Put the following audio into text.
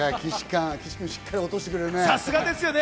岸くん、しっかり落としてくれるね。